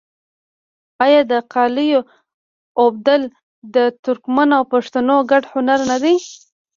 آیا د قالیو اوبدل د ترکمنو او پښتنو ګډ هنر نه دی؟